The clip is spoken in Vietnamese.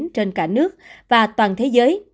trên cả nước và toàn thế giới